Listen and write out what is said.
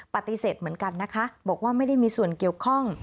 ปฏิเสธเหมือนกันนะคะบอกว่าไม่ได้มีส่วนเกี่ยวข้อง